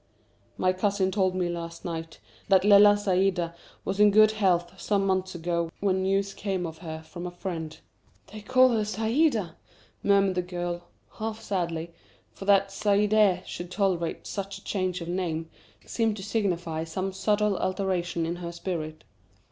"My cousin told me last night that Lella Saïda was in good health some months ago when news came of her from a friend." "They call her Saïda!" murmured the girl, half sadly; for that Saidee should tolerate such a change of name, seemed to signify some subtle alteration in her spirit.